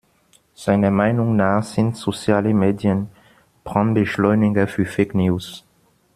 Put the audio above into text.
Seiner Meinung nach sind soziale Medien Brandbeschleuniger für Fake-News.